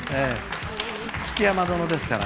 築山殿ですから。